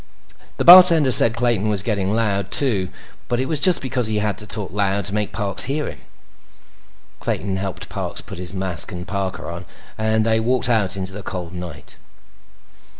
The bartender said Clayton was getting loud, too, but it was just because he had to talk loud to make Parks hear him. Clayton helped Parks put his mask and parka on and they walked out into the cold night.